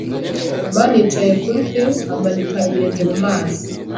amani yicaye kuri pir, amanika ibirenge mu mazi.